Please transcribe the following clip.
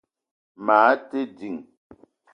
Maa te ding